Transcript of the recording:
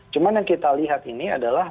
cuma yang kita lihat ini adalah